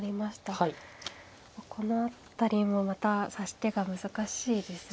この辺りもまた指し手が難しいですね。